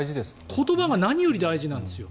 言葉が何より大事なんですよ。